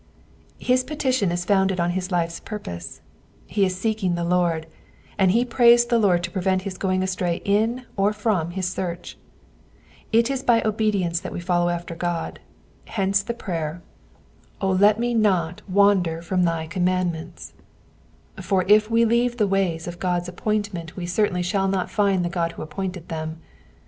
His petition is founded on his life's purpose : he is seeking the Lord, and he prays the Lord to prevent his going astray in or from his search. It is by obedience that we follow after God, hence the prayer, ''0 let me not 3 Digitized by VjOOQIC 34 BXPOSITIONS OF THE PSALMS. fjoander from thy commandments "/ for if we leave the ways of God's ap pointment we certainly shall not find the God who appointed Ihcm.